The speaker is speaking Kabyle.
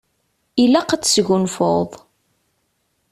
Ilaq ad tesgunfuḍ.